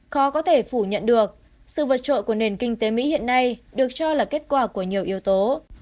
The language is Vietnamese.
khó có thể phủ nhận được sự vượt trội của nền kinh tế mỹ hiện nay được cho là kết quả của nhiều yếu tố